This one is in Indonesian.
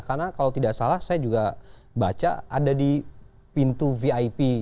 karena kalau tidak salah saya juga baca ada di pintu vip